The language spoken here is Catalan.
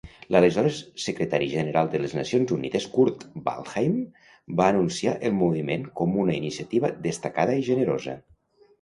L'aleshores secretari general de les Nacions Unides Kurt Waldheim va anunciar el moviment com una iniciativa destacada i generosa.